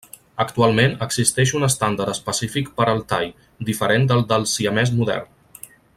Actualment existeix un estàndard específic per al thai, diferent del del siamès modern.